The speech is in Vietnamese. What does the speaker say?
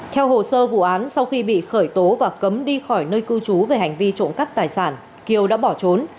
theo hồ sơ vụ án sau khi bị khởi tố và cấm đi khỏi nơi cư trú về hành vi trộm cắp tài sản kiều đã bỏ trốn